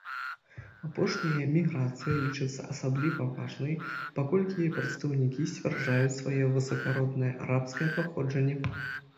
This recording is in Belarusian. Апошняя міграцыя лічыцца асабліва важнай, паколькі яе прадстаўнікі сцвярджаюць сваё высакароднае арабскае паходжанне.